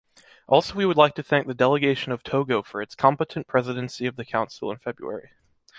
Also we would like to thank the delegation of Togo for its competent presidency of the Council in February.